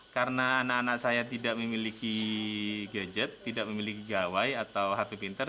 karena anak anak saya tidak memiliki gadget tidak memiliki gawai atau hp pinter